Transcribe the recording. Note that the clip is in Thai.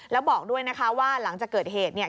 แล้วบอกด้วยนะคะว่าหลังจากเกิดเหตุเนี่ย